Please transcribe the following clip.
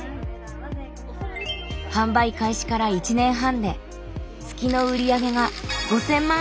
販売開始から１年半で月の売上が５０００万円を突破。